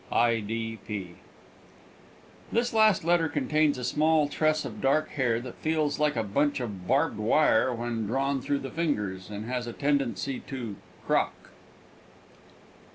I. D. P." This last letter contains a small tress of dark hair that feels like a bunch of barbed wire when drawn through the fingers, and has a tendency to "crock."